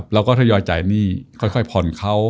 เราก็ทยอยจ่ายหนี้ค่อยผ่อนเขา